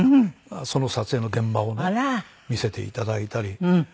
その撮影の現場をね見せていただいたり。